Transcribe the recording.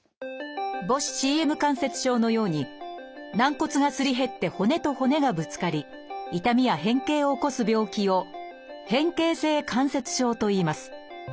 母指ＣＭ関節症のように軟骨がすり減って骨と骨がぶつかり痛みや変形を起こす病気を「変形性関節症」といいます。